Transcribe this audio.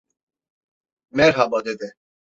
Merhaba, dede!